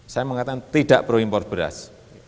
saya mengatakan tidak perlu impor beras